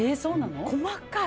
細かい。